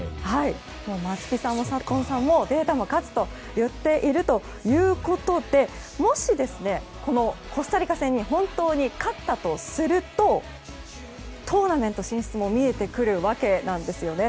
松木さんも、サットンさんもデータも勝つといっているということでもし、このコスタリカ戦に本当に勝ったとするとトーナメント進出も見えてくるわけなんですよね。